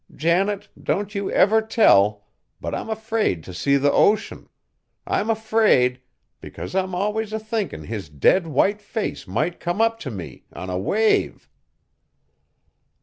Janet, don't you ever tell, but I'm afraid t' see the ocean! I'm afraid, because I'm always a thinkin' his dead white face might come up t' me on a wave!"